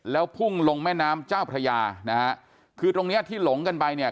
แล้วพุ่งลงแม่น้ำเจ้าพระยานะฮะคือตรงเนี้ยที่หลงกันไปเนี่ย